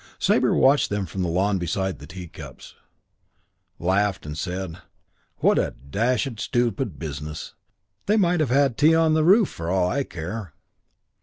Sabre, watching them from the lawn beside the teacups, laughed and said, "What a dashed stupid business. They might have had tea on the roof for all I care."